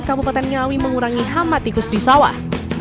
kabupaten ngawi mengurangi hama tikus di sawah